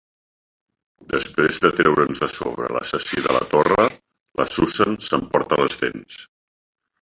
Després de treure's de sobre l'assassí de la torre, la Susan s'emporta les dents.